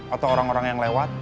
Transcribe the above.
atau orang orang yang lewat